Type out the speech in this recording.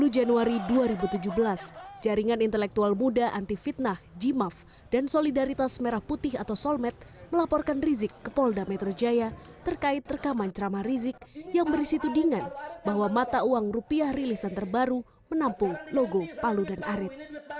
dua puluh januari dua ribu tujuh belas jaringan intelektual muda anti fitnah jimaf dan solidaritas merah putih atau solmet melaporkan rizik ke polda metro jaya terkait rekaman ceramah rizik yang berisi tudingan bahwa mata uang rupiah rilisan terbaru menampung logo palu dan arit